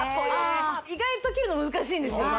意外と切るの難しいんですよ